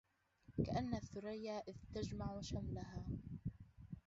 كأن الثريا إذ تجمع شملها